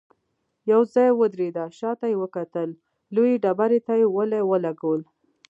يو ځای ودرېده، شاته يې وکتل، لويې ډبرې ته يې ولي ولګول.